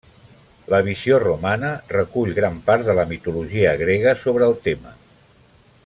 La visió romana recull gran part de la mitologia grega sobre el tema.